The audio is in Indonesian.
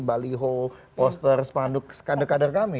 baliho poster spanduk kader kader kami